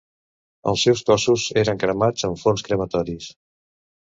Els seus cossos eren cremats en forns crematoris.